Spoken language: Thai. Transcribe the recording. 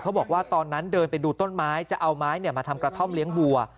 บอกว่าตอนนั้นเดินไปดูต้นไม้จะเอาไม้มาทำกระท่อมเลี้ยงบัว